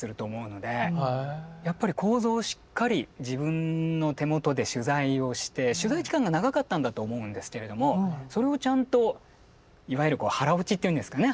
やっぱり構造をしっかり自分の手元で取材をして取材期間が長かったんだと思うんですけれどもそれをちゃんといわゆる腹落ちっていうんですかね。